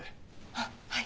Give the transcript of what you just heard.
あっはい。